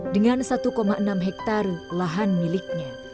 dengan satu enam hektare lahan miliknya